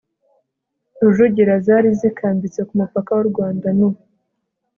rujugira zari zikambitse ku mupaka w'u rwanda n'u